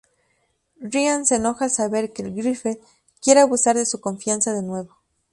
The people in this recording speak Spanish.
Ryan se enoja al saber que Wilfred quiere abusar de su confianza de nuevo.